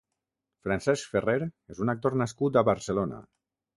Francesc Ferrer és un actor nascut a Barcelona.